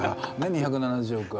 ２７０億は。